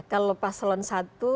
kalau pas salon satu